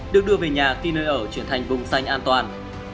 được đưa về nhà khi nơi ở chuyển thành vùng xanh an toàn